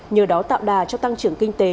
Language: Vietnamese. nhờ đó tạo đà cho tăng trưởng kinh tế